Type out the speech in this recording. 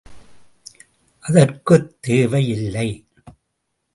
அதற்குத் தேவை இல்லை.